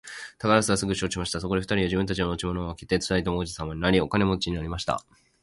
タラスはすぐ承知しました。そこで二人は自分たちの持ち物を分けて二人とも王様になり、お金持になりました。